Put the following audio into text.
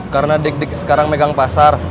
karena dik dik sekarang megang pasar